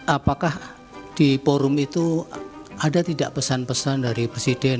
apakah di forum itu ada tidak pesan pesan dari presiden